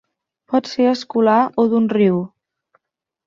Pot ser escolar o d'un riu.